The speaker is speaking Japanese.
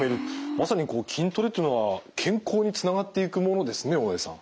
まさにこう筋トレというのは健康につながっていくものですね大江さん。